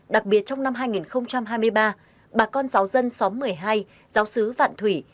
đặc biệt trong năm hai nghìn hai mươi ba bà con giáo dân xóm một mươi hai giáo sứ vạn thủy